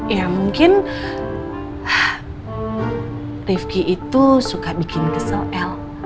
ya mungkin rifki itu suka bikin kesel el